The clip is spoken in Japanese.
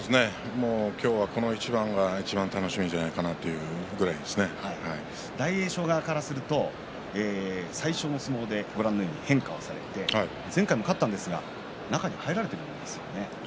今日は、この一番がいちばん楽しみじゃないかなと大栄翔側からすると最初の相撲で変化をされて前回も勝ったんですが中に入られているんですよね。